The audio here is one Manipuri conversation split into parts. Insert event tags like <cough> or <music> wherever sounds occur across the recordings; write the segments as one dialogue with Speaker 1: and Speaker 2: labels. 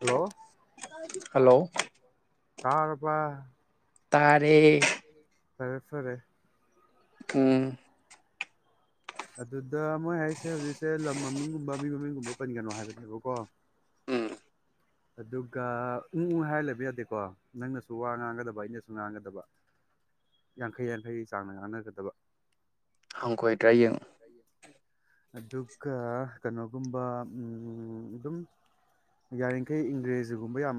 Speaker 1: ꯍꯂꯣ
Speaker 2: <inaudible> ꯍꯜꯂꯣ
Speaker 1: ꯇꯥꯔꯥꯕ
Speaker 2: ꯇꯥꯔꯦ
Speaker 1: ꯐꯔꯦ ꯐꯔꯦ
Speaker 2: ꯎꯝ
Speaker 1: ꯑꯗꯨꯗ ꯃꯣꯏ ꯍꯥꯏꯁꯦ ꯍꯧꯖꯤꯛꯁꯦ ꯂꯝ ꯃꯃꯤꯡꯒꯨꯝꯕ ꯃꯤꯡ ꯃꯃꯤꯡꯒꯨꯝꯕ ꯄꯟꯒꯅꯣ ꯍꯥꯏꯕꯅꯦꯕꯀꯣ
Speaker 2: ꯎꯝ
Speaker 1: ꯑꯗꯨꯒ ꯎꯝ ꯎꯝ ꯍꯥꯏꯔ ꯂꯩꯕ ꯌꯥꯗꯦꯀꯣ ꯅꯪꯅꯁꯨ ꯋꯥ ꯉꯥꯡꯒꯗꯕ ꯑꯩꯅꯁꯨ ꯉꯥꯡꯒꯗꯕ ꯌꯥꯡꯈꯩ ꯌꯥꯡꯈꯩ ꯆꯥꯡꯗ ꯉꯥꯡꯅꯒꯗꯕ
Speaker 2: <unintelligible>
Speaker 1: ꯑꯗꯨꯒ ꯀꯩꯅꯣꯒꯨꯝꯕ ꯑꯝ ꯑꯗꯨꯝ ꯌꯥꯔꯤꯈꯩ ꯏꯪꯒ꯭ꯔꯦꯖꯤꯒꯨꯝꯕ ꯌꯥꯝ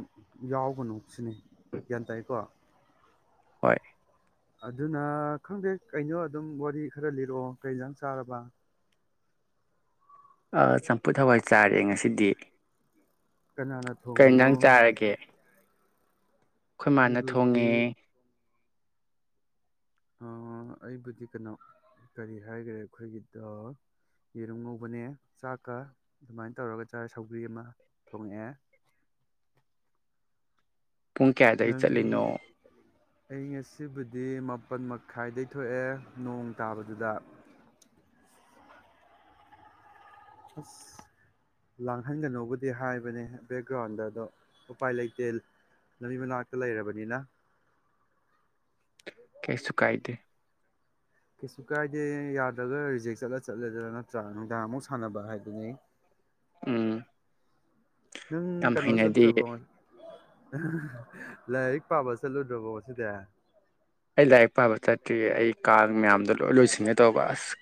Speaker 1: ꯌꯥꯎꯕꯅꯨ ꯁꯤꯅꯤ ꯒ꯭ꯌꯥꯟ ꯇꯥꯏꯀꯣ
Speaker 2: ꯍꯣꯏ
Speaker 1: ꯑꯗꯨꯅ ꯈꯪꯗꯦ ꯀꯩꯅꯣ ꯑꯗꯨꯝ ꯋꯥꯔꯤ ꯈꯔ ꯂꯤꯔꯛꯑꯣ ꯀꯩꯖꯥꯡ ꯆꯥꯔꯕ
Speaker 2: ꯑ ꯆꯝꯐꯨꯠ ꯍꯋꯥꯏ ꯆꯥꯔꯦ ꯉꯁꯤꯗꯤ
Speaker 1: ꯀꯅꯥꯅ ꯊꯣꯡꯉꯤꯅꯣ
Speaker 2: ꯀꯩꯏꯟꯖꯥꯡ ꯆꯥꯔꯒꯦ ꯈꯣꯏ ꯃꯥꯅ ꯊꯣꯡꯉꯦ
Speaker 1: ꯑꯩꯕꯨꯗꯤ ꯑ ꯑꯩꯕꯨꯗꯤ ꯀꯩꯅꯣ ꯀꯔꯤ ꯍꯥꯏꯈ꯭ꯔꯦ ꯑꯩꯈꯣꯏꯒꯤ ꯑ ꯌꯦꯔꯨꯝ ꯉꯧꯕꯅꯦ ꯆꯥꯛꯀ ꯑꯗꯨꯃꯥꯏꯅ ꯇꯧꯔꯒ ꯆꯥꯏ ꯁꯧꯒ꯭ꯔꯤ ꯑꯃ ꯊꯣꯡꯉꯦ
Speaker 2: ꯄꯨꯡ ꯀꯌꯥꯗꯒꯤ ꯆꯠꯂꯤꯅꯣ
Speaker 1: ꯑꯩ ꯉꯁꯤꯕꯨꯗꯤ ꯃꯥꯄꯜ ꯃꯈꯥꯏꯗꯒꯩ ꯊꯣꯛꯑꯦ ꯅꯣꯡ ꯇꯥꯕꯗꯨꯗ ꯑꯁ ꯂꯥꯡꯍꯟꯒꯅꫭꯕꯨꯗꯤ ꯍꯥꯏꯕꯅꯦ ꯕꯦꯛꯒ꯭ꯔꯥꯎꯟꯗ ꯑꯗꯣ ꯎꯄꯥꯏ ꯂꯩꯇꯦ ꯂꯝꯕꯤ ꯃꯅꯥꯛꯇ ꯂꯩꯔꯕꯅꯤꯅ
Speaker 2: ꯀꯩꯁꯨ ꯀꯥꯏꯗꯦ
Speaker 1: ꯀꯩꯁꯨ ꯀꯥꯏꯗꯦ ꯌꯥꯗ꯭ꯔꯒ ꯔꯤꯖꯦꯛ ꯆꯠꯂ ꯆꯠꯂꯦꯗꯅ ꯅꯠꯇ꯭ꯔ ꯅꯨꯡꯗꯥꯡ ꯑꯃꯨꯛ ꯁꯥꯟꯅꯕ ꯍꯥꯏꯗꯨꯅꯤ
Speaker 2: ꯎꯝ
Speaker 1: ꯅꯪ
Speaker 2: ꯌꯥꯝ
Speaker 1: ꯀꯩꯅꯣ
Speaker 2: ꯍꯩꯅꯗꯤꯌꯦ
Speaker 1: ꯆꯠꯇ꯭ꯔꯕꯣ <unintelligible> ꯂꯥꯏꯔꯤꯛ ꯄꯥꯕ ꯆꯠꯂꯨꯗ꯭ꯔꯕꯣ ꯉꯁꯤꯗꯤ
Speaker 2: ꯁꯤ ꯑꯩ ꯀꯥꯡ ꯃꯌꯥꯝꯗꯣ ꯂꯣꯏ ꯂꯣꯏꯁꯤꯟꯒꯦ ꯇꯧꯕ ꯑꯁ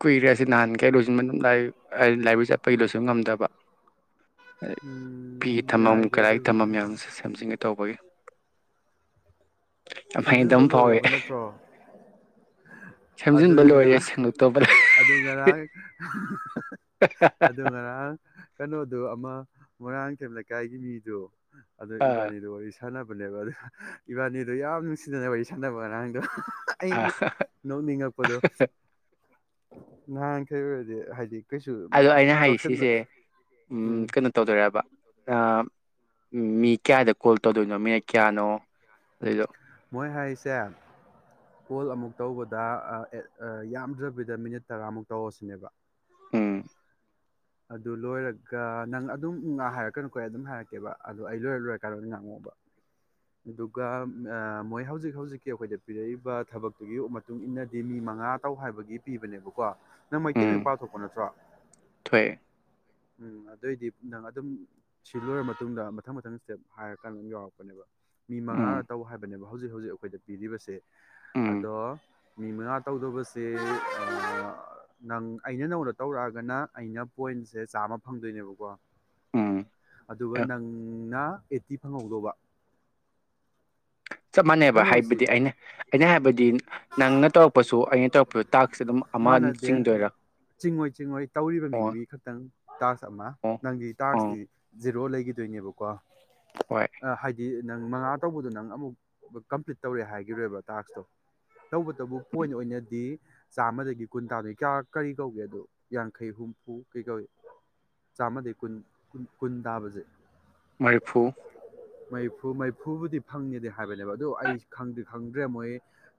Speaker 2: ꯀꯨꯏꯔꯦ ꯑꯁꯤ ꯅꯍꯥꯟꯈꯩ ꯂꯣꯏꯁꯤꯟꯕ <unintelligible> ꯂꯥꯏꯕ꯭ꯔꯔꯤ ꯆꯠꯄꯒꯤ ꯂꫭꯏꯁꯤꯟꯕ ꯉꯝꯗꯕ ꯑꯗ ꯐꯤꯒꯤ
Speaker 1: ꯎꯝ
Speaker 2: ꯊꯝꯐꯝ
Speaker 1: ꯌꯥꯏꯗ
Speaker 2: ꯀꯔꯥꯏꯒꯤ
Speaker 1: ꯑꯗꯨꯕꯨꯗꯤ
Speaker 2: ꯊꯝꯐꯝ ꯃꯌꯥꯝꯁꯤ ꯁꯦꯝꯖꯤꯟꯒ ꯇꯧꯕꯒꯤ ꯌꯥꯝ ꯍꯩꯅꯗꯕ
Speaker 1: ꯁꯦꯝꯖꯤꯟꯕ
Speaker 2: ꯑꯃ ꯐꯥꯎꯋꯦ
Speaker 1: ꯂꯣꯏꯔꯕ ꯅꯠꯇ꯭ꯔꯣ
Speaker 2: ꯁꯦꯝꯖꯤꯟꯕ
Speaker 1: ꯑꯗꯨꯅꯤ
Speaker 2: ꯂꯣꯏꯔꯦ
Speaker 1: ꯉꯔꯥꯡ
Speaker 2: ꯁꯦꯡꯗꯣꯛꯇꯧꯕ ꯂꯩ
Speaker 1: ꯑꯗꯨ ꯉꯔꯥꯡ ꯑꯗꯨ ꯉꯔꯥꯡ ꯀꯩꯅꯣꯗꯨ ꯑꯃ ꯃꯣꯏꯔꯥꯡꯊꯦꯝ ꯂꯩꯀꯥꯏꯒꯤ ꯃꯤꯗꯣ ꯑꯗꯨꯗ ꯏꯕꯅꯤꯗꯣ ꯋꯔꯤ ꯁꯥꯟꯅꯕꯅꯦꯕ ꯗꯣ ꯏꯕꯥꯅꯤꯗꯣ ꯌꯥꯝ ꯅꯨꯡꯁꯤꯗꯅꯕꯩ ꯁꯥꯟꯅꯕ ꯉꯥꯔꯥꯡꯗꯣ ꯑꯩ ꯅꯣꯡꯅꯤꯡꯉꯛꯄꯗꯣ ꯅꯍꯥꯟꯈꯩ ꯑꯣꯏꯔꯗꯤ ꯍꯥꯏꯗꯤ ꯀꯩꯁꯨ
Speaker 2: ꯑꯗꯣ ꯑꯩꯅ ꯍꯥꯏꯗꯤ
Speaker 1: ꯇꯧꯁꯟꯗ
Speaker 2: ꯁꯤꯁꯦ ꯎꯝ ꯀꯩꯅꯣ ꯇꯧꯗꯨꯏꯔꯣꯕ ꯑ ꯎꯝ ꯃꯤ ꯀꯌꯥꯗ ꯀꯣꯜ ꯇꯧꯗꯣꯏꯅꯣ ꯃꯤꯅꯠ ꯀꯌꯥꯅꯣ <unintelligible>
Speaker 1: ꯃꯣꯏ ꯍꯥꯏꯔꯤꯁꯦ ꯀꯣꯜ ꯑꯃꯨꯛ ꯇꯧꯕꯗ ꯑ ꯑꯦꯠ ꯑ ꯌꯥꯝꯗ꯭ꯔꯕꯤꯗ ꯃꯤꯅꯤꯠ ꯇꯔꯥꯃꯨꯛ ꯇꯧꯑꫭ ꯁꯤꯅꯦꯕ
Speaker 2: ꯎꯝ
Speaker 1: ꯑꯗꯨ ꯂꯣꯏꯔꯒ ꯅꯪ ꯑꯗꯨꯝ ꯋꯥ ꯍꯥꯏꯔꯛꯀꯅꯨꯀꯣ ꯑꯗꯨꯝ ꯍꯥꯏꯔꯛꯀꯦꯕ ꯑꯗꯨ ꯑꯩ ꯂꯣꯏꯔ ꯂꯣꯏꯔꯀꯥꯟꯗ ꯉꯥꯡꯉꯛꯑꫭꯕ ꯑꯗꯨꯒ ꯃꯣꯏ ꯍꯧꯖꯤꯛ ꯍꯧꯖꯤꯛꯀꯤ ꯑꯩꯈꯣꯏꯗ ꯄꯤꯔꯛꯏꯕ ꯊꯕꯛꯇꯨꯒꯤ ꯃꯇꯨꯡꯏꯟꯅꯗꯤ ꯃꯤ ꯃꯉꯥ ꯇꯧ ꯍꯥꯏꯕꯒꯤ ꯄꯤꯕꯅꯦꯕꯀꯣ ꯅꯪ ꯃꯩꯇꯩ ꯃꯌꯦꯛ
Speaker 2: ꯎꯝ
Speaker 1: ꯄꯥꯕꯊꯣꯛꯄ ꯅꯠꯇ꯭ꯔꯣ
Speaker 2: ꯊꯣꯛꯑꯦ
Speaker 1: ꯎꯝ ꯑꯗꫭꯏꯗꯤ ꯅꯪ ꯑꯗꯨꯝ ꯁꯤ ꯂꯣꯏꯔ ꯃꯇꯨꯡꯗ ꯃꯊꯪ ꯃꯊꯪ ꯁ꯭ꯇꯦꯞ ꯍꯥꯏꯔꯀꯥꯟꯗ ꯑꯗꯨꯝ ꯌꯥꯎꯔꯛꯄꯅꯦꯕ ꯃꯤ
Speaker 2: ꯎꯝ
Speaker 1: ꯃꯉꯥꯔꯛ ꯇꯧ ꯍꯥꯏꯕꯅꯦꯕ ꯍꯧꯖꯤꯛ ꯍꯧꯖꯤꯛ ꯑꯩꯈꯣꯏꯗ ꯄꯤꯔꯤꯕꯁꯦ
Speaker 2: ꯎꯝ
Speaker 1: ꯑꯗꯣ ꯃꯤ ꯃꯉꯥ ꯇꯧꯗꯧꯕꯁꯦ ꯑ ꯅꯪ ꯑꯩꯅ ꯅꯉꫭꯟꯗ ꯇꯧꯔꯛꯑꯒꯅ ꯑꯩꯅ ꯄꯣꯏꯟꯁꯦ ꯆꯥꯝꯃ ꯐꯪꯗꯣꯏꯅꯦꯕꯀꯣ
Speaker 2: ꯎꯝ
Speaker 1: ꯑꯗꯨꯒ
Speaker 2: ꯑ
Speaker 1: ꯅꯪꯅ ꯑꯦꯠꯇꯤ ꯐꯪꯍꯧꯗꯧꯕ
Speaker 2: ꯆꯞ ꯃꯥꯟꯅꯩꯕ
Speaker 1: ꯀꯩꯅꯣꯁꯤ
Speaker 2: ꯍꯥꯏꯕꯗꯤ ꯑꯩꯅ ꯑꯩꯅ ꯍꯥꯏꯕꯗꯤ ꯅꯪ ꯇꯧꯔꯛꯄꯥ ꯁꯨ
Speaker 1: ꯃꯥꯟꯅꯗꯦ
Speaker 2: ꯆꯤꯡꯗꯣꯏꯔꯥ
Speaker 1: ꯆꯤꯡꯉꯣꯏ ꯆꯤꯡꯉꯣꯏ ꯇꯧꯔꯤꯕ
Speaker 2: ꯑꯣ
Speaker 1: ꯃꯤꯗꯨꯒꯤ ꯈꯛꯇꯪ ꯇꯥꯛꯁ ꯑꯃ
Speaker 2: ꯑꯣ
Speaker 1: ꯅꯪꯒꯤ ꯇꯥꯛꯁꯇꯤ
Speaker 2: ꯑꯣ
Speaker 1: ꯖꯦꯔꯣ ꯂꯩ ꯏꯗꯣꯏꯅꯦꯕꯀꯣ ꯑ
Speaker 2: ꯍꯣꯏ
Speaker 1: ꯍꯥꯏꯗꯤ ꯅꯪ ꯃꯉꯥ ꯇꯧꯕꯗꯣ ꯅꯪ ꯑꯃꯨꯛ ꯀꯝꯄ꯭ꯂꯤꯠ ꯇꯧꯔꯦ ꯍꯥꯏꯈꯤꯔꯣꯏꯕ ꯇꯥꯛꯁꯇꯣ ꯇꯧꯕꯇꯕꯨ
Speaker 2: ꯎꯝ
Speaker 1: ꯄꯣꯏꯟ ꯑꯣꯏꯅ ꯆꯥꯝꯃꯗꯒꯤ ꯀꯨꯟ ꯇꯥꯗꯣꯏ ꯀꯌꯥ ꯀꯔꯤ ꯀꯧꯒꯦ ꯑꯗꯣ ꯌꯥꯡꯈꯩ ꯍꯨꯝꯐꯨ ꯀꯩ ꯀꯧꯏ ꯆꯥꯝꯃꯗꯒꯤ ꯀꯨ ꯀꯨꯟ ꯇꯥꯕꯁꯦ
Speaker 2: ꯃꯔꯤꯐꯨ
Speaker 1: ꯃꯩꯐꯨ ꯃꯩꯐꯨꯕꯨꯗꯤ ꯐꯪꯉꯦꯗ ꯍꯥꯏꯕꯅꯦꯕ ꯑꯗꯨ ꯑꯩ ꯈꯪꯗꯗꯤ ꯈꯪꯗ꯭ꯔꯦ ꯃꯣꯏ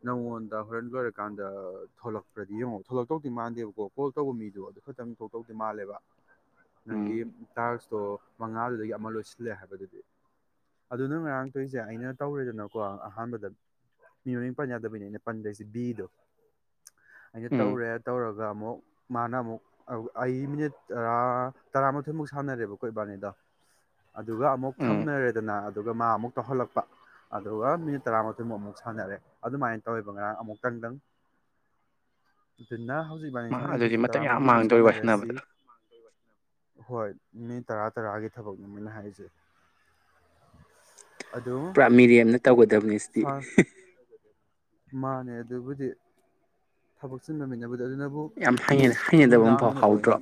Speaker 1: ꯅꯪꯉꯣꯟꯗ ꯍꯣꯔꯦꯟ ꯂꯣꯏꯔ ꯀꯥꯟꯗ ꯊꯣꯂꯛꯄ꯭ꯔꯗꯤ ꯌꯦꯡꯉꯣ ꯊꯣꯛꯣꯂꯛꯇꯧꯗꯤ ꯃꯥꯟꯗꯦꯕꯀꯣ ꯀꯣꯜ ꯇꯧꯕ ꯃꯤꯗꯣ ꯑꯗꯨ ꯈꯛꯇꯪ ꯊꯣꯛꯇꯧꯇꯤ ꯃꯥꯜꯂꯦꯕ ꯅꯪꯒꯤ
Speaker 2: ꯎꯝ
Speaker 1: ꯇꯥꯛꯁ ꯑꯣ ꯃꯉꯥꯗꯨꯗꯒꯤ ꯑꯃ ꯂꯣꯏꯁꯤꯜꯂꯦ ꯍꯥꯏꯕꯗꯨꯗꯤ ꯑꯗꯨ ꯅꯪ ꯉꯔꯥꯡ ꯇꯧꯔꯤꯁꯦ ꯑꯩꯅ ꯇꯧꯔꯦꯗꯅꯀꯣ ꯑꯍꯥꯟꯕꯗ ꯃꯤ ꯃꯃꯤꯡ ꯄꯟ ꯌꯥꯗꯕꯩꯅꯤ ꯑꯩꯅ ꯄꯟꯗꯔꯤꯁꯦ ꯕꯤꯗꯣ <inaudible> ꯑꯩꯅ
Speaker 2: ꯎꯝ
Speaker 1: ꯇꯧꯔꯦ ꯇꯧꯔꯒ ꯑꯗꯨꯒ ꯑꯃꯨꯛ ꯃꯥꯅ ꯑꯃꯨꯛ ꯑꯩ ꯃꯤꯅꯤꯠ ꯇꯔꯥ ꯇꯔꯥꯃꯥꯊꯣꯏꯃꯨꯛ ꯁꯥꯟꯅꯔꯦꯕꯀꯣ ꯏꯕꯥꯅꯤꯗꯣ ꯑꯗꯨꯒ ꯑꯃꯨꯛ
Speaker 2: ꯎꯝ
Speaker 1: ꯊꯝꯅꯔꯦꯗꯅ ꯑꯗꯨꯒ ꯃꯥ ꯑꯃꯨꯛ ꯇꯧꯍꯜꯂꯛꯄ ꯑꯗꯨꯒ ꯃꯤꯅꯤꯠ ꯇꯔꯥꯃꯊꯣꯏꯃꯨꯛ ꯑꯃꯨꯛ ꯁꯥꯟꯅꯔꯦ ꯑꯗꯨꯃꯥꯏꯅ ꯇꯧꯋꯦꯕ ꯉꯔꯥꯡ ꯑꯃꯨꯛꯇꯪꯒꯪ <unintelligible> ꯅ ꯍꯧꯖꯤꯛꯕꯥꯅꯤ
Speaker 2: ꯃꯥ ꯑꯗꯨꯗꯤ
Speaker 1: ꯁꯥꯟꯅꯩꯁꯤꯁꯨ
Speaker 2: ꯃꯇꯝ ꯌꯥꯝ
Speaker 1: ꯇꯔꯥꯃꯥꯊꯣꯏꯃꯨꯛ
Speaker 2: ꯃꯥꯡꯗꯣꯔꯤ
Speaker 1: ꯁꯥꯟꯅꯔꯁꯤ
Speaker 2: ꯋꯥꯏꯁꯥꯟꯅꯕꯗ
Speaker 1: ꯍꯣꯏ ꯃꯤ ꯇꯔꯥ ꯇꯔꯥꯒꯤ ꯊꯕꯛꯅꯦ <unintelligible> ꯍꯥꯏꯖꯩ
Speaker 2: ꯥ ꯃꯤꯔꯦꯝꯅ ꯇꯧꯒꯗꯕ
Speaker 1: ꯁꯥ
Speaker 2: <unintelligible>
Speaker 1: ꯃꯥꯅꯦ ꯑꯗꯨꯕꯨꯗꯤ ꯊꯕꯛꯁꯤꯟꯟꯅꯃꯤꯅꯕꯨ
Speaker 2: ꯌꯥꯝ ꯍꯩꯅꯗꯕ ꯑꯃꯐꯥꯎ
Speaker 1: ꯑꯣꯏꯅ
Speaker 2: ꯐꯥꯎꯗ꯭ꯔꯣ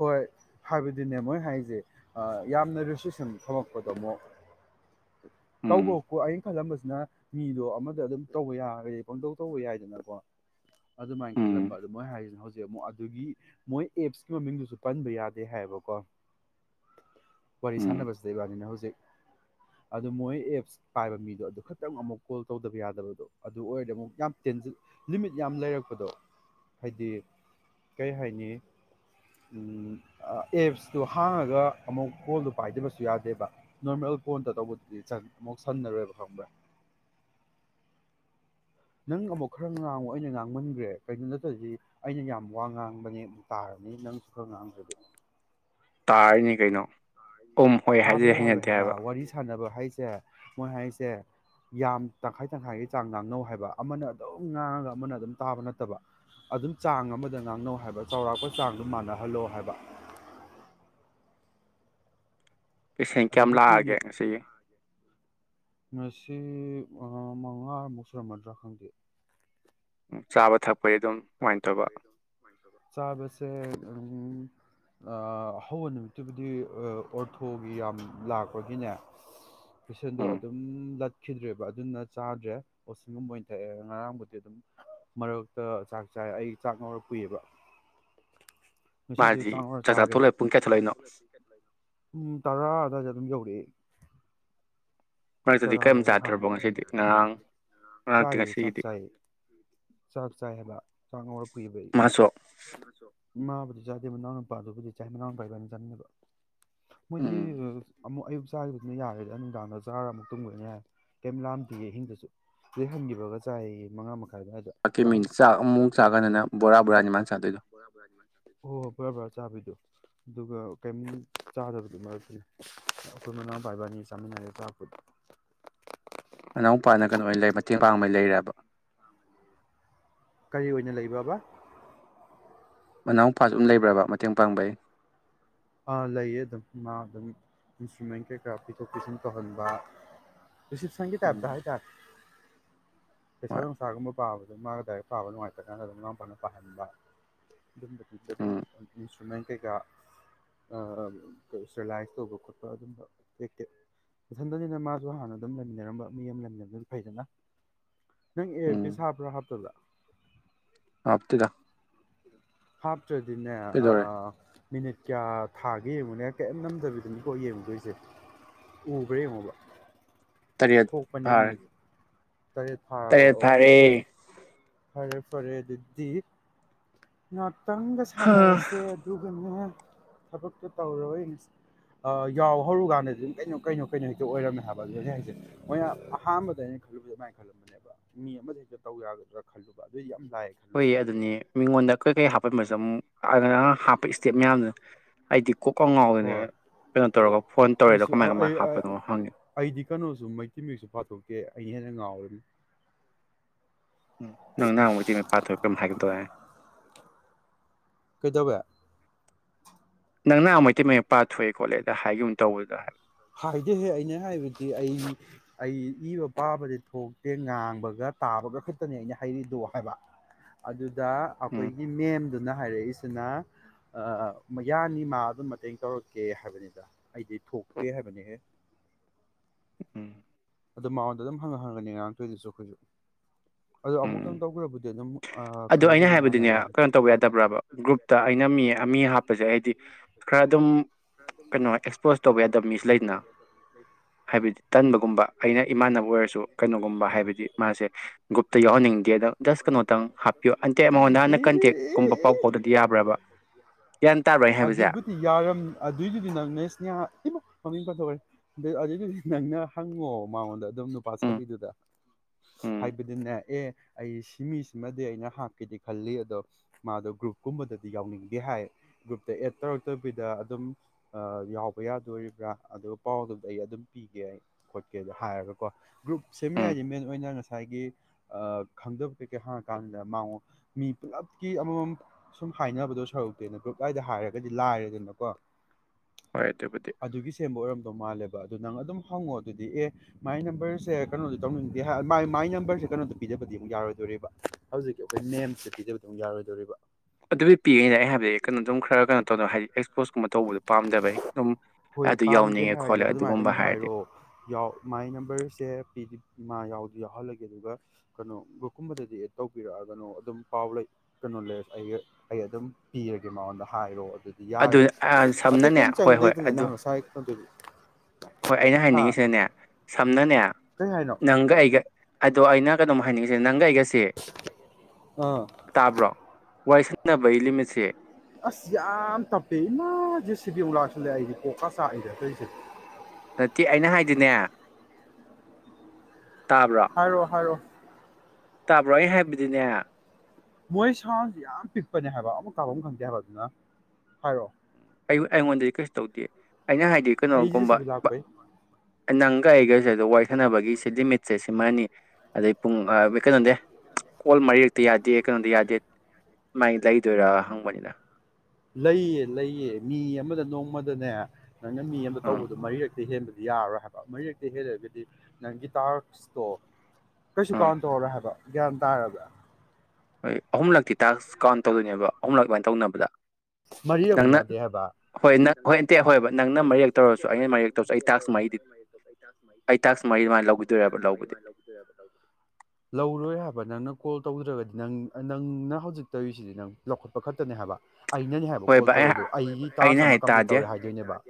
Speaker 1: ꯍꯣꯏ ꯍꯥꯏꯕꯗꯤꯅꯦ ꯃꯣꯏ ꯍꯥꯏꯁꯦ ꯌꯥꯝꯅ ꯔꯤꯁꯤꯁ ꯊꯝꯃꯛꯄꯗꯣ ꯑꯃꯨꯛ
Speaker 2: ꯎꯝ
Speaker 1: ꯇꯧꯕꯀꯣ ꯑꯩꯅ ꯈꯜꯂꯝꯕꯁꯤꯅ ꯃꯤꯗꯣ ꯑꯃꯗ ꯑꯗꯨꯝ ꯇꯧꯕ ꯌꯥꯔꯒꯗꯤ ꯄꯪꯗꯧ ꯇꯧꯕ ꯌꯥꯏꯗꯅꯀꯣ ꯑꯗꯨꯃꯥꯏꯅ ꯈꯜꯂꯝꯕ
Speaker 2: ꯎꯝ
Speaker 1: ꯑꯗꯨ ꯃꯣꯏ ꯍꯥꯏꯔꯤꯁꯤꯅ ꯍꯧꯖꯤꯛ ꯑꯃꯨꯛ ꯑꯗꯨꯒꯤ ꯃꯣꯏ ꯑꯦꯞꯁꯀꯤ ꯃꯃꯤꯡꯗꯨꯁꯨ ꯄꯟꯕ ꯌꯥꯗꯦ ꯍꯥꯏꯌꯦꯕꯀꯣ ꯋꯥꯔꯤ
Speaker 2: ꯎꯝ
Speaker 1: ꯁꯥꯟꯅꯕꯁꯤꯗꯩ ꯏꯕꯥꯅꯤꯅ ꯍꯧꯖꯤꯛ ꯑꯗꯨ ꯃꯣꯏ ꯑꯦꯞꯁ ꯄꯥꯏꯕ ꯃꯤꯗꯣ ꯑꯗꯨ ꯈꯛꯇꯪ ꯑꯃꯨꯛ ꯀꯣꯜ ꯇꯧꯗꯕ ꯌꯥꯗꯕꯗꯣ ꯑꯗꯨ ꯑꯣꯏꯔꯗꯤ ꯑꯃꯨꯛ ꯌꯥꯝ ꯇꯦꯟ ꯂꯤꯃꯤꯠ ꯌꯥꯝ ꯂꯩꯔꯛꯄꯗꯣ ꯍꯥꯏꯗꯤ ꯀꯩ ꯍꯥꯏꯅꯤ ꯑꯦꯞꯁꯇꯣ ꯍꯥꯡꯉꯒ ꯑꯃꯨꯛ ꯀꯣꯜꯗꯣ ꯄꯥꯏꯗꯕꯁꯨ ꯌꯥꯗꯦꯕ ꯅꯣꯔꯃꯦꯜ ꯀꯣꯟꯜꯗ ꯇꯧꯕ ꯆ ꯃꯨꯛ ꯁꯟꯅꯔꯣꯏꯕ ꯈꯪꯕ ꯅꯪ ꯑꯃꯨꯛ ꯈꯔ ꯉꯥꯡꯉꯣ ꯑꯩꯅ ꯉꯥꯡꯃꯟꯈ꯭ꯔꯦ ꯀꯩꯅꯣ ꯅꯠꯇ꯭ꯔꯗꯤ ꯑꯩꯅ ꯌꯥꯝ ꯋꯥ ꯉꯥꯡꯕꯅꯦ ꯑꯃꯨ ꯇꯥꯔꯅꯤ ꯅꯪꯁꯨ ꯈꯔ ꯉꯥꯡꯉꯣ
Speaker 2: ꯇꯥꯔꯤꯅꯤ ꯀꯩꯅꯣ ꯎꯝ ꯍꯣꯏ ꯍꯥꯏꯗꯤ
Speaker 1: ꯇꯥꯕ ꯌꯥꯔꯣꯏ
Speaker 2: ꯍꯩꯅꯗꯦ
Speaker 1: ꯍꯥꯏꯕ ꯋꯥꯔꯤ ꯁꯥꯟꯅꯕ ꯍꯥꯏꯁꯦ ꯃꯣꯏ ꯍꯥꯏꯁꯦ ꯁꯦ ꯌꯥꯝ ꯇꯪꯈꯥꯏ ꯇꯪꯈꯥꯏꯒꯤ ꯆꯥꯡ ꯉꯥꯡꯅꯧ ꯍꯥꯏꯕ ꯑꯃꯅ ꯑꯗꯨꯝ ꯉꯥꯡꯉꯒ ꯑꯃꯅ ꯑꯗꯨꯝ ꯇꯥꯕ ꯅꯠꯇꯕ ꯑꯗꯨꯝ ꯆꯥꯡ ꯑꯃꯗ ꯉꯥꯡꯅꯧ ꯍꯥꯏꯕ ꯆꯥꯎꯔꯥꯛꯄ ꯆꯥꯡꯗ ꯃꯥꯟꯅꯍꯜꯂꯣ ꯍꯥꯏꯕ
Speaker 2: ꯄꯦꯁꯦꯟ ꯀꯌꯥꯝ
Speaker 1: ꯑꯗꯒꯤ ꯀꯨꯏꯅ
Speaker 2: ꯂꯥꯛꯑꯒꯦ ꯉꯁꯤ
Speaker 1: ꯉꯁꯤ ꯃꯉꯥꯃꯨꯛ ꯁꯨꯔꯝꯃꯗ꯭ꯔꯥ ꯈꯪꯗꯦ
Speaker 2: ꯆꯥꯕ ꯊꯛ ꯑꯩꯈꯣꯏ ꯑꯗꯨꯝ ꯀꯃꯥꯏꯅ ꯇꯧꯕ
Speaker 1: ꯆꯥꯕꯁꯦ ꯎꯝ ꯑꯍꯧꯕ ꯅꯨꯃꯤꯠꯇꯨꯕꯨꯗꯤ ꯑꯣꯔꯊꯣꯒꯤ ꯌꯥꯝ ꯂꯥꯛꯄꯒꯤꯅꯦ ꯄꯦꯁꯦꯟꯗꯣ
Speaker 2: ꯎꯝ
Speaker 1: ꯑꯗꯨꯝ ꯂꯠꯈꯤꯗ꯭ꯔꯦꯕ ꯑꯗꯨꯅ ꯆꯥꯗ꯭ꯔꯦ ꯑꯣꯁꯤꯟꯒꯨꯝꯕ ꯑꯣꯏꯅ ꯊꯛꯑꯦ ꯉꯔꯥꯡꯕꯨꯗꯤ ꯑꯗꯨꯝ ꯃꯔꯛꯇ ꯆꯥꯛ ꯥꯆꯥꯏ ꯑꯩ ꯆꯥꯛ ꯉꯧꯔꯥ ꯄꯨꯨꯏꯌꯦꯕ ꯉꯁꯤꯁꯨ
Speaker 2: ꯃꯥꯗꯤ
Speaker 1: ꯆꯥꯛ ꯉꯧꯔꯥ
Speaker 2: ꯆꯥ
Speaker 1: ꯆꯥꯒꯦ
Speaker 2: ꯊꯣꯛꯂꯛꯑꯦ ꯄꯨꯡ ꯀꯌꯥ ꯊꯣꯛꯂꯛꯏꯅꯣ
Speaker 1: ꯄꯨꯡ ꯇꯔꯥ ꯑꯗꯥꯏꯗ ꯌꯨꯝ ꯌꯧꯔꯦ
Speaker 2: ꯃꯔꯛꯇꯗꯤ ꯀꯔꯤꯝ ꯆꯥꯗ꯭ꯔꯕꯣ ꯉꯁꯤꯗꯤ ꯉꯔꯥꯡ ꯉꯔꯥꯡ ꯅꯠꯇꯦ
Speaker 1: ꯆꯥꯏꯌꯦ ꯆꯥꯛ
Speaker 2: ꯉꯁꯤꯒꯤꯗꯤ
Speaker 1: ꯆꯥꯏꯌꯦ ꯆꯥꯛ ꯆꯥꯏ ꯍꯥꯏꯕ ꯆꯥꯛ ꯉꯧꯔꯥ ꯄꯨꯨꯏꯕ ꯑꯩ
Speaker 2: ꯃꯥꯁꯨ
Speaker 1: ꯏꯃꯥꯕꯨꯗꯤ ꯆꯥꯗꯦꯕ ꯃꯅꯥꯎ ꯅꯨꯄꯥꯗꯨꯕꯨꯗꯤ ꯆꯥꯏ ꯃꯅꯥꯎꯅꯨꯄꯥ ꯏꯕꯅꯤ ꯆꯥꯃꯤꯟꯅꯕ ꯃꯣꯏꯗꯤ
Speaker 2: ꯎꯝ
Speaker 1: ꯑꯃꯨꯛ ꯑꯌꯨꯛ ꯆꯥꯈꯤꯕꯗꯨꯅ ꯌꯥꯔꯦꯗ ꯅꯨꯡꯗꯥꯡꯗ ꯑꯃꯨꯛ ꯑꯌꯨꯛ ꯆꯒꯤꯕꯗꯨꯅ ꯆꯥꯔꯦꯗ ꯅꯨꯡꯗꯥꯡꯗ ꯆꯥꯔꯥ ꯑꯃꯨꯛ ꯇꯨꯝꯒ꯭ꯔꯥꯅꯤ ꯌꯥꯔꯦ ꯀꯦꯝ ꯂꯥꯝꯗꯦꯌꯦ ꯑꯍꯤꯡꯗꯁꯨ ꯍꯦꯛ ꯍꯟꯒꯤꯕꯒ ꯆꯥꯏꯌꯦ ꯃꯉꯥ ꯃꯈꯥꯏꯗ ꯍꯣꯏ
Speaker 2: ꯃꯤ ꯆꯥꯛ ꯑꯃꯨꯛ ꯆꯥꯀꯥꯟꯗꯅ ꯕꯣꯔꯥ ꯕꯣꯔꯥꯅꯤ ꯃꯥꯅ ꯆꯥꯗꯣꯏꯗꯣ
Speaker 1: ꯕꯣꯔꯥ ꯕꯣꯔꯥ ꯆꯥꯕꯤꯗꯣ ꯑꯗꯨꯒ ꯀꯦꯝ ꯆꯥꯗꯕꯤꯗꯣ ꯃꯔꯛꯇꯅ ꯑꯩꯈꯣꯏ ꯃꯅꯥꯎꯄ ꯏꯕꯥꯟꯅꯤ ꯆꯥꯃꯤꯟꯅꯔꯦ ꯆꯥꯛꯄꯨꯗꯤ
Speaker 2: ꯃꯅꯥꯎꯄꯥꯅ ꯀꯩ <unintelligible> ꯃꯇꯦꯡ ꯄꯥꯡꯕꯩ ꯂꯩꯔꯕ
Speaker 1: ꯀꯔꯤ ꯑꯣꯏꯅ ꯂꯩꯕꯕ
Speaker 2: ꯃꯅꯥꯎꯄꯥꯁꯨ ꯂꯩꯕ꯭ꯔꯕ ꯃꯇꯦꯡ ꯄꯥꯡꯕꯩ
Speaker 1: ꯑ ꯂꯩꯌꯦ ꯑꯗꯨꯝ ꯃꯥ ꯑꯗꯨꯝ ꯏꯟꯁꯇ꯭ꯔꯨꯃꯦꯟ ꯀꯩ ꯀꯥ ꯄꯤꯊꯣꯛ ꯄꯤꯁꯤꯟ ꯇꯧꯍꯟꯕ ꯔꯤꯁꯤꯞꯁꯟꯒꯤ ꯇꯥ꯭ꯏꯞꯇ
Speaker 2: ꯎꯝ
Speaker 1: ꯍꯥꯏꯇꯔꯦ ꯄꯩꯁꯥ
Speaker 2: ꯍꯣꯏ
Speaker 1: ꯅꯨꯡꯁꯥꯒꯨꯝꯕ ꯄꯥꯕ ꯑꯗꯨꯝ ꯃꯥꯒ ꯗꯥꯏꯔꯦꯛ ꯄꯥꯕ ꯅꯨꯡꯉꯥꯏꯇ꯭ꯔꯀꯥꯟꯗ ꯑꯗꯨꯝ ꯃꯅꯥꯎꯄꯥꯅ ꯄꯥꯍꯟꯕ ꯑꯗꯨꯝꯕꯗꯨꯗꯤ ꯑꯗꯨꯝ
Speaker 2: ꯎꯝ
Speaker 1: ꯏꯟꯁꯇ꯭ꯔꯨꯃꯦꯟ ꯀꯩꯀꯥ ꯑꯥ ꯁꯇ꯭ꯔꯦꯂꯥꯏꯁ ꯇꯧꯕ ꯈꯣꯠꯄ ꯑꯗꯨꯝꯕ ꯇꯦꯛ-ꯇꯦꯛ ꯃꯊꯟꯇꯅꯤꯅ ꯃꯥꯁꯨ ꯍꯥꯟꯅ ꯑꯗꯨꯝ ꯂꯩꯃꯤꯟꯅꯔꯝꯕ ꯃꯤ ꯑꯃ ꯂꯩꯃꯤꯟꯅꯕꯗꯨꯅ ꯐꯩꯗꯅ ꯅꯪ ꯑ꯭ꯌꯔ
Speaker 2: ꯎꯝ
Speaker 1: ꯄꯤꯁ ꯍꯥꯞꯄ꯭ꯔꯥ ꯍꯥꯞꯇꯕ꯭ꯔꯥ
Speaker 2: ꯍꯥꯞꯇꯦꯗ
Speaker 1: ꯍꯥꯞ ꯇ꯭ꯔꯗꯤꯅꯦ
Speaker 2: ꯀꯩꯗꯧꯔꯦ
Speaker 1: ꯑꯥ ꯃꯤꯅꯤꯠ ꯀꯌꯥ ꯊꯥꯒꯦ ꯌꯦꯡꯉꯨꯅꯦ ꯀꯔꯤꯝ ꯅꯝꯗꯕꯤꯗꯅꯤꯀꯣ ꯌꯦꯡꯎꯗꯣꯏꯁꯦ ꯎꯕ꯭ꯔꯥ ꯌꯦꯡꯉꯣꯕ
Speaker 2: ꯇꯔꯦꯠ
Speaker 1: ꯊꯣꯛꯄꯅꯦ
Speaker 2: ꯐꯥꯔꯦ
Speaker 1: ꯃꯤꯅꯤꯠ ꯇꯔꯦꯠ ꯐꯥꯔꯕ
Speaker 2: ꯇꯔꯦꯠ ꯐꯥꯔꯦ
Speaker 1: ꯑꯣꯈꯦ ꯐꯔꯦ ꯐꯔꯦ ꯑꯗꯨꯗꯤ ꯉꯥꯛ ꯇꯪꯒ
Speaker 2: ꯍꯥ
Speaker 1: ꯁꯥꯟꯅꯔꯁꯦ ꯑꯗꯨꯒꯅꯦ ꯊꯕꯛꯇꯣ ꯇꯧꯔ ꯑꯥ ꯌꯥꯎꯍꯧ ꯀꯥꯟꯗꯗꯤ ꯑꯗꯨꯝ ꯀꯩꯅꯣ ꯀꯩꯅꯣ ꯀꯩꯅꯣ ꯍꯦꯛꯇ ꯑꯣꯏꯔꯝꯃꯦ ꯍꯥꯏꯕ ꯑꯗꯣ ꯑꯩꯅ ꯍꯥꯏꯁꯦ ꯑꯃ ꯑꯍꯥꯟꯕꯗ ꯑꯩꯅ ꯈꯜꯂꯨꯕꯗ ꯑꯗꯨꯃꯥꯏꯅ ꯈꯜꯂꯝꯕꯅꯦꯕ ꯃꯤ ꯑꯃꯗ ꯍꯦꯛꯇ ꯇꯧ ꯌꯥꯒꯗ꯭ꯔꯥ ꯈꯜꯂꯨꯕ ꯑꯗꯨ
Speaker 2: ꯍꯣꯏ ꯑꯗꯨꯅꯦ ꯃꯤꯉꯣꯟꯗ ꯀꯩꯀꯩ ꯍꯥꯞꯄꯟꯕꯁꯨ ꯑꯃꯨꯛ ꯑꯗꯨꯅ ꯍꯥꯞꯄ ꯏꯁ꯭ꯇꯦꯞ ꯃꯌꯥꯝꯗꯨ ꯑꯩꯗꯤ ꯀꯣꯛꯀ ꯉꯥꯎꯋꯦꯃꯤ
Speaker 1: ꯍꯣꯏ
Speaker 2: ꯀꯩꯅꯣ ꯇꯧꯔꯒ ꯐꯣꯟ ꯇꯧꯔꯦꯗꯨꯒ
Speaker 1: ꯑꯩꯁꯨ
Speaker 2: ꯀꯃꯥꯏ
Speaker 1: ꯑꯩ
Speaker 2: ꯀꯃꯥꯏꯅ ꯍꯥꯞꯄꯅꯣ ꯍꯪꯉꯦ
Speaker 1: ꯑꯩꯗꯤ ꯉꯥꯎꯔꯤ
Speaker 2: ꯅꯪ ꯉ꯭ꯔꯥꯡ ꯃꯩꯇꯩ ꯃꯌꯦꯛ ꯄꯥ ꯊꯣꯛꯑꯦꯄꯨꯝ ꯍꯥꯏꯒꯨꯝ ꯇꯧꯑꯦ
Speaker 1: ꯀꯩꯗꯧꯔꯦ
Speaker 2: ꯅꯪꯅ ꯃꯩꯇꯩ ꯃꯌꯦꯛ ꯄꯥꯊꯣꯛꯑꯦ ꯈꯣꯠꯂꯦꯗ ꯍꯥꯏꯒꯤꯒꯨꯝ ꯇꯧꯕꯗꯨꯗ ꯍꯥꯏꯕ
Speaker 1: ꯍꯥꯏꯗꯤꯍꯦ ꯑꯩꯅ ꯍꯥꯏꯕꯗꯤ ꯑꯩ ꯑꯩ ꯏꯕ ꯄꯥꯕꯗꯤ ꯊꯣꯛꯇꯦ ꯉꯥꯡꯕꯒ ꯇꯥꯕꯒ ꯈꯛꯇꯅꯤ ꯑꯩꯅ ꯍꯥꯏꯔꯤꯗꯣ ꯍꯥꯏꯕ ꯑꯗꯨ ꯗ
Speaker 2: ꯎꯝ
Speaker 1: ꯑꯩꯈꯣꯏꯒꯤ ꯃꯦꯟ ꯑꯗꯨꯅ ꯍꯥꯏꯔꯛꯏꯁꯤꯅ ꯌꯥꯅꯤ ꯃꯥ ꯑꯗꯨ ꯃꯇꯦꯡ ꯇꯧꯔꯛꯀꯦ ꯍꯥꯏꯕꯅꯤꯗ ꯑꯩꯗꯤ ꯊꯣꯛ ꯀ ꯍꯥꯏꯕꯅꯤ ꯍꯦ
Speaker 2: ꯎꯝ
Speaker 1: ꯑꯗꯨ ꯃꯉꯣꯟꯗ ꯑꯗꯨꯝ ꯍꯪꯉ ꯍꯪꯉꯒꯅꯤ ꯉꯔꯥꯡꯇꯣꯏꯗꯨꯁꯨ ꯑꯩꯈꯣꯏꯁꯨ ꯑꯗꯣ ꯑꯃꯨꯛꯇꯪ ꯇꯧꯈ꯭ꯔꯕꯕꯨꯗꯤ ꯑꯗꯨꯝ ꯑꯥ
Speaker 2: ꯑꯗꯨ ꯑꯩꯅ
Speaker 1: ꯈꯔꯕꯨꯗꯤ
Speaker 2: ꯍꯥꯏꯕꯗꯤꯅꯦ
Speaker 1: ꯃꯥꯟꯅꯔꯅꯤ
Speaker 2: ꯀꯩꯅꯣ ꯇꯧꯕ ꯌꯥꯗꯕ꯭ꯔꯕ ꯒ꯭ꯔꯨꯞꯇ ꯑꯩꯅ ꯃꯤ ꯃꯤ ꯍꯥꯞꯄꯁꯦ ꯍꯥꯏꯗꯤ ꯈꯔ ꯑꯗꯨꯝ ꯀꯩꯅꯣ ꯑꯦꯛꯁꯄꯣꯖ ꯇꯧꯕ ꯌꯥꯗꯕ ꯃꯤꯁꯤ ꯂꯩꯗꯅ ꯍꯥꯏꯕꯗꯤ ꯇꯟꯕꯒꯨꯝꯕ ꯑꯩꯅ ꯏꯃꯥꯟꯅꯕ ꯑꯣꯏꯔꯁꯨ ꯀꯩꯅꯣꯒꯨꯝꯕ ꯍꯥꯏꯕꯗꯤ ꯃꯥꯁꯦ ꯒ꯭ꯔꯨꯞꯇ ꯌꯥꯎꯍꯟꯅꯤꯡꯗꯦꯗ ꯖꯁ ꯀꯩꯅꯣꯇꯪꯞ
Speaker 1: ꯏ
Speaker 2: ꯐꯥꯎꯗꯗꯤ ꯌꯥꯕ꯭ꯔꯕ ꯒ꯭ꯌꯥꯟ ꯇꯥꯕ꯭ꯔꯥ ꯑꯩ ꯍꯥꯏꯕꯁꯦ
Speaker 1: ꯑꯗꯨꯕꯨꯗꯤ ꯌꯥꯔꯝ ꯑꯗꯨꯏꯗꯨꯗꯤ ꯅꯪ ꯅꯁꯅꯤꯍ ꯃꯃꯤꯡ ꯄꯠꯊꯣꯛꯔꯦ ꯑꯖꯤ ꯀ ꯅꯪꯅ ꯍꯪꯉꯣ ꯃꯉꯣꯟꯗ ꯑꯗꯨꯝ ꯅꯨꯄꯥ
Speaker 2: ꯎꯝ
Speaker 1: ꯁꯥꯕꯤꯗꯨꯗ
Speaker 2: ꯎꯝ
Speaker 1: ꯍꯥꯏꯕꯗꯤꯅꯦ ꯑꯦ ꯑꯩ ꯁꯤ ꯃꯤꯁꯤꯃꯗꯤ ꯑꯩꯅ ꯍꯥꯞꯀꯦꯗꯤ ꯈꯜꯂꯤ ꯑꯗꯣ ꯃꯥꯗꯣ ꯒ꯭ꯔꯨꯞꯀꯨꯝꯕꯗꯗꯤ ꯌꯥꯎꯅꯤꯡꯗꯦ ꯍꯥꯏ ꯒ꯭ꯔꯨꯞꯇ ꯑꯦꯗ ꯇꯧꯔꯛꯇꯕꯤꯗ ꯑꯗꯨꯝ ꯌꯥꯎꯕ ꯌꯥꯗꯣꯔꯤꯕ꯭ꯔꯥ ꯑꯗꯨꯒ ꯄꯥꯎꯗꯨꯗ ꯑꯩ ꯑꯗꯨꯝ ꯄꯤꯒꯦ ꯀꯩꯗ ꯍꯥꯏꯔꯒꯀꯣ ꯒ꯭ꯔꯨꯞ
Speaker 2: ꯎꯝ
Speaker 1: ꯁꯦꯝꯃꯤꯌꯥꯏꯁꯦ ꯃꯦꯟ ꯑꯣꯏꯅ ꯉꯁꯥꯏꯒꯤ ꯈꯪꯗꯕ ꯀꯩꯀꯩ ꯍꯥꯡꯉꯀꯥꯟꯗ ꯃꯉ ꯃꯤ ꯄꯨꯂꯞꯀꯤ ꯑꯃꯃꯝ ꯁꯨꯝ ꯍꯥꯏꯅꯕꯗꯣ ꯁꯔꯨꯛꯇꯦꯅ ꯒ꯭ꯔꯨꯞ ꯑꯏꯗ ꯍꯥꯏꯔꯒꯗꯤ ꯂꯥꯏꯔꯦꯗꯅꯀꯣ
Speaker 2: ꯍꯣꯏ ꯑꯗꯨꯕꯨꯗꯤ
Speaker 1: ꯑꯗꯨꯒꯤ ꯁꯦꯝꯕ ꯑꯣꯏꯔꯝ ꯃꯥꯜꯂꯦꯕ ꯑꯗꯨ ꯅꯪ ꯑꯗꯨꯝ ꯍꯪꯉꯣ ꯑꯗꯨꯗꯤ ꯑꯦ ꯃꯥꯏ ꯅꯝꯕꯔꯁꯦ ꯀꯩꯅꯣꯗꯣ ꯇꯧꯅꯤꯡꯅꯤꯡꯗꯦ ꯍꯥꯏ ꯃꯥꯏ ꯃꯥꯏ ꯅꯝꯕꯔꯁꯦ ꯀꯩꯅꯣꯗꯣ ꯄꯤꯗꯕꯗꯤ ꯑꯃꯨꯛ ꯌꯥꯔꯣꯏꯗꯣꯔꯤꯕ ꯍꯧꯖꯤꯛꯀꯤ ꯑꯩꯈꯣꯏ ꯅꯦꯝꯁꯦ ꯄꯤꯗꯕꯗꯤ ꯑꯃꯨꯛ ꯌꯥꯔꯣꯏꯗꯣꯔꯤꯕ
Speaker 2: ꯑꯗꯨꯗꯤ ꯄꯤꯉꯩꯅ ꯑꯩ ꯍꯥꯏꯕꯗꯤ ꯀꯩꯅꯣ ꯑꯗꯨꯝ ꯈꯔ ꯀꯩꯅꯣ ꯇꯧ ꯍꯥꯏꯗꯤ ꯑꯦꯛꯁꯄꯣꯁꯀꯨꯝꯕ ꯇꯧꯕꯗꯣ ꯄꯥꯝꯗꯕꯩ ꯑꯗꯨꯝ
Speaker 1: ꯍꯣꯏ
Speaker 2: ꯑꯗꯨ
Speaker 1: ꯄꯥꯝꯗꯦ
Speaker 2: ꯌꯥꯎꯅꯤꯡꯉꯦ
Speaker 1: ꯍꯥꯏꯔꯗꯤ
Speaker 2: ꯈꯣꯠꯂꯦ
Speaker 1: ꯑꯗꯨꯃꯥꯏ ꯑꯗꯨꯝ
Speaker 2: ꯑꯗꯨꯒꯨꯝꯕ ꯍꯥꯏꯔꯗꯤ
Speaker 1: ꯍꯥꯏꯔꯛꯑꯣ ꯃꯥꯏ ꯅꯝꯕꯔꯁꯦ ꯄꯤ ꯏꯃꯥ ꯌꯥꯎꯗꯤ ꯌꯥꯎꯍꯜꯂꯒꯦ ꯑꯗꯨꯒ ꯀꯩꯅꯣ ꯒ꯭ꯔꯨꯞꯀꯨꯝꯕꯗꯗꯤ ꯑꯦꯠ ꯇꯧꯕꯤꯔꯛꯑꯒꯅꯣ ꯑꯗꯨꯝ ꯄꯥꯎ ꯂꯩ ꯀꯩꯅꯣꯂꯦꯖ ꯑꯩꯒ ꯑꯩ ꯑꯗꯨꯝ ꯄꯤꯔꯒꯦ ꯃꯥꯉꯣꯟꯗ ꯍꯥꯏꯔꯣ ꯑꯗꯨꯗꯤ
Speaker 2: ꯑꯗꯨ
Speaker 1: ꯌꯥꯔꯦꯗ ꯑꯇꯩ
Speaker 2: ꯁꯝꯅꯅꯦ
Speaker 1: ꯀꯦꯝ
Speaker 2: ꯍꯣꯏ
Speaker 1: ꯆꯪꯗꯦ
Speaker 2: ꯍꯣꯏ
Speaker 1: ꯗꯨꯅ
Speaker 2: ꯑꯗꯨ
Speaker 1: ꯅꯪ ꯁꯥꯏꯛꯣꯏꯗꯤ
Speaker 2: ꯍꯣꯏ ꯑꯩꯅ ꯍꯥꯏꯅꯤꯡꯉꯤꯁꯤꯅꯦ ꯁꯝꯅꯅꯦ
Speaker 1: ꯀꯩ ꯍꯥꯏꯅꯣ
Speaker 2: ꯅꯪꯒ ꯑꯩꯒ ꯑꯗꯣ ꯑꯩꯅ ꯀꯩꯅꯣꯝ ꯍꯥꯏꯅꯤꯡꯉꯤꯁꯦ ꯅꯪ ꯑꯩꯒ ꯁꯦ
Speaker 1: ꯑꯥ
Speaker 2: ꯇꯥꯕ꯭ꯔꯣ ꯋꯥꯏꯁꯟꯅꯕꯒꯤ ꯂꯤꯃꯤꯠꯁꯦ
Speaker 1: ꯑꯁ ꯌꯥꯝ ꯇꯞꯄꯤ ꯏꯃꯥꯁꯦ ꯁꯤꯕꯨ ꯂꯥꯛꯁꯨꯜꯂꯦ ꯑꯩꯁꯦ ꯀꯣꯛꯀꯥ ꯆꯥꯛꯏꯗꯠꯇꯣꯏꯁꯦ
Speaker 2: ꯅꯠꯇꯦ ꯑꯩꯅ ꯍꯥꯏꯗꯤꯅꯦ ꯇꯥꯕ꯭ꯔꯣ
Speaker 1: ꯍꯥꯏꯔꯣ ꯍꯥꯏꯔꯣ
Speaker 2: ꯇꯥꯕ꯭ꯔꯣ ꯍꯥꯏꯕꯗꯤꯅꯦ
Speaker 1: ꯃꯣꯏ ꯁꯥꯎꯟꯁꯤ ꯌꯥꯝ ꯄꯤꯛꯄꯅꯦ ꯍꯥꯏꯕ ꯑꯃꯨꯛ ꯇꯥꯐꯝ ꯈꯪꯗꯦ ꯍꯥꯏꯕꯗꯨꯅ ꯍꯥꯏꯔꯛꯑꯣ
Speaker 2: ꯑꯩ ꯑꯩꯉꯣꯟꯗꯗꯤ ꯀꯩꯁꯨ ꯇꯧꯗꯦ ꯑꯩꯅ ꯍꯥꯏꯗꯤ
Speaker 1: ꯑꯩ ꯖꯦ
Speaker 2: ꯀꯩꯅꯣꯒꯨꯝꯕ
Speaker 1: ꯁꯤ ꯕꯤ ꯂꯥꯛꯄꯩ
Speaker 2: ꯅꯪ ꯀꯥꯏꯒ ꯗ ꯋꯥꯏꯊꯅꯕꯒꯤ ꯁꯤ ꯂꯤꯃꯤꯠꯁꯦ ꯁꯤꯃꯅꯤ ꯑꯗꯩ ꯄꯨꯡ ꯑ ꯀꯩꯅꯣꯗꯦ ꯀꯣꯜ ꯃꯔꯤꯔꯛꯇꯤ ꯌꯥꯗꯦ ꯀꯩꯅꯣꯗꯤ ꯌꯥꯗꯦ ꯗꯨꯃꯥꯏꯅ ꯂꯩꯗꯣꯏꯔꯥ ꯍꯪꯕꯅꯤꯅ
Speaker 1: ꯂꯩꯌꯦ ꯂꯩꯌꯦ ꯃꯤ ꯑꯃꯗ ꯅꯣꯡꯃꯗꯅꯦ ꯅꯪꯅ ꯃꯤ ꯑꯃ
Speaker 2: ꯑꯥ
Speaker 1: ꯇꯧꯕꯗꯣ ꯃꯔꯤꯔꯛꯇꯩ ꯍꯦꯟ ꯌꯥꯔꯣꯏ ꯍꯥꯏꯕ ꯃꯔꯤ ꯔꯛꯇꯩ ꯍꯦꯜ ꯂꯩꯔꯒꯗꯤ ꯅꯪꯒꯤ ꯇꯥꯔꯛꯁꯇꯣ ꯀꯩꯁꯨ
Speaker 2: ꯑꯥ
Speaker 1: ꯀꯥꯎꯟ ꯇꯧꯔꯔꫭꯏ ꯍꯥꯏꯕ ꯒ꯭ꯌꯥꯟ ꯇꯥꯔꯕꯔ
Speaker 2: ꯍꯣꯏ ꯑꯍꯨꯝꯂꯛꯇꯤ ꯇꯥꯛꯁ ꯀꯥꯎꯟ ꯇꯧꯗꯣꯏꯅꯦꯕ ꯑꯍꯨꯝꯂꯛ ꯑꯗꯨꯃꯥꯏꯅ ꯇꯧꯅꯕꯗ꯫
Speaker 1: ꯃꯔꯤ ꯑꯃꯨꯛ
Speaker 2: ꯅꯪꯅ
Speaker 1: ꯌꯥꯗꯦ ꯍꯥꯏꯕ
Speaker 2: ꯍꯣꯏ ꯅꯪ ꯍꯣꯏ ꯑꯇꯦ ꯍꯣꯏꯕ ꯅꯪꯅ ꯃꯔꯤꯔꯛ ꯇꯧꯔꯁꯨ ꯑꯩꯅ ꯃꯔꯤꯔꯛ ꯇꯧꯔꯁꯨ ꯑꯩ ꯇꯥꯛꯁ ꯃꯔꯤꯗꯤ ꯑꯩ ꯇꯥꯛꯁ ꯃꯔꯤ ꯑꯗꯨꯃꯥꯏꯅ ꯂꯧꯈꯤꯗꯣꯏꯔꯕ ꯂꯧꯕꯗꯤ
Speaker 1: <inaudible> ꯂꯧꯔꯣꯏ ꯍꯥꯏꯕ ꯅꯪꯅ ꯀꫭ ꯇꯧꯗ꯭ꯔꯒꯗꯤ ꯅꯪ ꯅꯪꯅ ꯍꯧꯖꯤꯛ ꯇꯧꯔꯤꯁꯤꯗꯤ ꯅꯪ ꯂꯧꯈꯠꯄ ꯈꯛꯇꯅꯦ ꯍꯥꯏꯕ꯫ ꯑꯩꯅꯅꯦ ꯍꯥꯏꯕ ꯀꯣꯜ
Speaker 2: ꯍꯣꯏꯕ ꯑꯩ
Speaker 1: ꯇꯧꯔꯛꯏꯗꫭ ꯑꯩꯒꯤ
Speaker 2: ꯑꯩꯅ
Speaker 1: ꯇꯥꯛꯁ ꯑꯃ
Speaker 2: ꯍꯥꯏ
Speaker 1: ꯀꯝꯄ꯭ꯂꯤꯠ
Speaker 2: ꯇꯥꯗꯦ
Speaker 1: ꯇꯧꯔꯦ ꯍꯥꯏꯗꯣꯏꯅꯦꯕ <inaudible>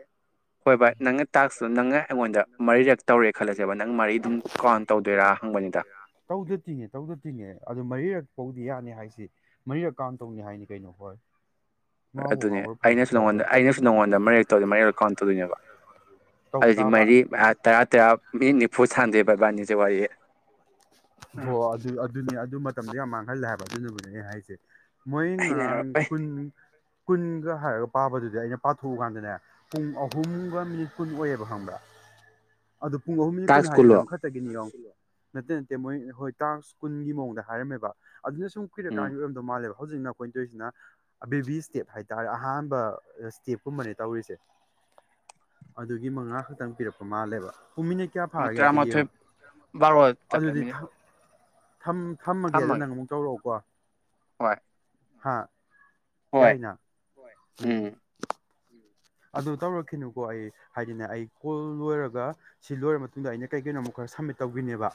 Speaker 2: ꯍꯣꯏ ꯚꯥꯏ ꯅꯪꯅ ꯇꯥꯛꯁꯇꯨ ꯅꯪꯅ ꯑꯩꯉꯣꯟꯗ ꯃꯔꯤꯔꯛ ꯇꯧꯔꯦ ꯈꯜꯂꯁꯦꯕ ꯅꯪ ꯃꯔꯤ ꯑꯗꯨꯝ ꯀꯥꯎꯟ ꯇꯧꯗꯣꯏꯔꯥ ꯍꯪꯕꯅꯤꯗ
Speaker 1: ꯇꯧꯗꯗꯤꯅꯦ ꯇꯧꯗꯗꯤꯅꯦ ꯑꯗꯨ ꯃꯔꯤꯔꯛ ꯇꯧ ꯌꯥꯅꯤ ꯍꯥꯏꯁꯤ ꯃꯔꯤꯔꯛ ꯀꯥꯎꯟ ꯇꯧꯅꯤ ꯍꯥꯏꯅꯤ ꯀꯩꯅꯣ ꯍꯣꯏ꯫ ꯉꯥꯎꯕ
Speaker 2: ꯑꯗꯨꯅꯦ
Speaker 1: ꯉꯥꯎꯕ꯭ꯔꯥ ꯐꯩꯕꯨ
Speaker 2: ꯑꯩꯅꯁꯨ ꯅꯉꯣꯟꯗ
Speaker 1: ꯐꯩꯕ꯭ꯔꯥ
Speaker 2: ꯑꯩꯅꯁꯨ ꯅꯉꯣꯟꯗ ꯃꯔꯤꯔꯛ ꯇꯧ ꯃꯔꯤꯔꯛ ꯀꯥꯎꯟ ꯇꯧꯗꯣꯏꯅꯦꯕ
Speaker 1: ꯇꯧ
Speaker 2: ꯑꯗꯨꯗꯤ
Speaker 1: ꯇꯥꯕ
Speaker 2: ꯃꯔꯤ ꯑꯥ ꯇꯔꯥ ꯇꯔꯥ ꯃꯤꯅꯤꯠ ꯅꯤꯐꯨ ꯁꯥꯟꯅꯗꯨꯏꯕ ꯏꯕꯟꯅꯤꯁꯦ ꯋꯥꯔꯤ <unintelligible>
Speaker 1: ꯈꯜꯂꯦ ꯍꯥꯏꯕ ꯑꯗꯨꯅꯕꯨꯅꯦ ꯑꯩ ꯍꯥꯏꯁꯦ꯫ ꯃꯣꯏ ꯉꯔꯥꯡ
Speaker 2: ꯍꯩꯅꯔꯔꯣꯏ
Speaker 1: ꯀꯨꯟ ꯀꯨꯟꯒ ꯍꯥꯏꯔꯒ ꯄꯥꯕꯗꯨꯗꯤ ꯑꯩꯅ ꯄꯥꯊꯣꯛꯎꯀꯥꯟꯗꯅꯦ ꯄꯨꯡ ꯑꯍꯨꯝꯒ ꯃꯤꯅꯤꯠ ꯀꯨꯟ ꯑꯣꯏꯌꯦꯕ ꯈꯪꯕ꯭ꯔꯥ꯫ ꯑꯗꯨ ꯄꯨꯡ ꯑꯍꯨꯝ ꯃꯤꯅꯤꯠ ꯀꯨꯟ
Speaker 2: ꯇꯥꯛꯁ
Speaker 1: ꯍꯥꯏꯗꯤ
Speaker 2: ꯀꯨꯜꯂꯣ
Speaker 1: ꯅꯪ ꯈꯛꯇꯒꯤꯅꯤ ꯌꯦꯡꯑꯣ꯫ ꯅꯠꯇꯦ ꯅꯠꯇꯦ ꯃꯣꯏ ꯍꯣꯏ ꯇꯥꯛꯁ ꯀꯨꯟꯒꯤ ꯃꯑꯣꯡꯗ ꯍꯥꯏꯔꯝꯃꯦꯕ꯫ ꯑꯗꯨꯅ ꯁꯨꯝ
Speaker 2: ꯎꯝ
Speaker 1: ꯀꯨꯏꯔꯀꯥꯟꯒꯤ ꯑꯣꯏꯔꯝꯗꯧ ꯃꯥꯜꯂꯦꯕ꯫ ꯍꯧꯖꯤꯛꯅ ꯑꯩꯈꯣꯏꯅ ꯇꯧꯔꯤꯁꯤꯅ ꯕꯦꯕꯤ ꯁ꯭ꯇꯦꯞ ꯍꯥꯏ ꯇꯥꯔꯦ ꯑꯍꯥꯟꯕ ꯁ꯭ꯇꯦꯞꯀꯨꯝꯕꯅꯦ ꯇꯧꯔꯤꯁꯦ ꯑꯗꯨꯒꯤ ꯃꯉꯥ ꯈꯛꯇꯪ ꯄꯤꯔꯛꯄ ꯃꯥꯜꯂꯦꯕ꯫ ꯄꯨꯡ ꯃꯤꯅꯤꯠ ꯀꯌꯥ
Speaker 2: ꯃꯥ
Speaker 1: ꯐꯥꯔꯒꯦ ꯑꯝꯇ
Speaker 2: ꯇꯔꯥꯃꯊꯣꯏ
Speaker 1: ꯌꯦꯡꯉꯣ
Speaker 2: ꯕꯥꯔꯣꯗ ꯇꯠꯂꯦ ꯃꯤꯅꯤꯠ
Speaker 1: ꯊꯝ ꯊꯝꯃꯒꯦ ꯑꯗꯣ ꯅꯪ ꯑꯃꯨꯛ ꯇꯧꯔꯛꯑꯣꯀꯣ꯫
Speaker 2: ꯍꯣꯏ
Speaker 1: ꯍꯥ
Speaker 2: ꯍꯣꯏ
Speaker 1: ꯌꯥꯏꯅ ꯎꯝ ꯑꯗꯨ ꯇꯧꯔꯛꯈꯤꯅꯨꯀꯣ ꯑꯩ ꯍꯥꯏꯗꯤꯅꯦ ꯑꯩ ꯀꯣꯜ ꯂꯣꯏꯔꯒ ꯁꯤ ꯂꯣꯏꯔ ꯃꯇꯨꯡꯗ ꯑꯩꯅ ꯀꯩ ꯀꯩꯅꯣ ꯑꯃꯨꯛ ꯈꯔ ꯁꯝꯃꯤꯠ ꯇꯧꯈꯤꯅꯦꯕ